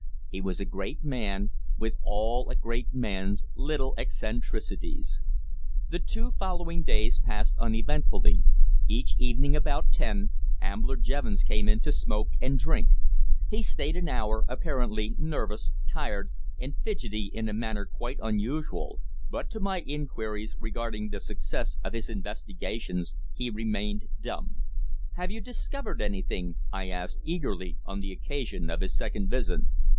He was a great man, with all a great man's little eccentricities. The two following days passed uneventfully. Each evening, about ten, Ambler Jevons came in to smoke and drink. He stayed an hour, apparently nervous, tired, and fidgety in a manner quite unusual; but to my inquiries regarding the success of his investigations he remained dumb. "Have you discovered anything?" I asked, eagerly, on the occasion of his second visit.